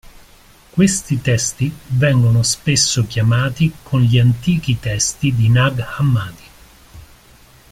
Questi testi vengono spesso chiamati con gli antichi testi di Nag Hammadi.